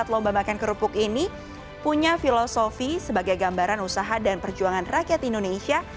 empat lomba makan kerupuk ini punya filosofi sebagai gambaran usaha dan perjuangan rakyat indonesia